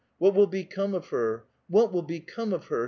" What will become of her? What will be come of her?"